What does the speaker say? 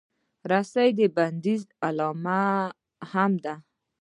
رسۍ د بندیز علامه هم ده.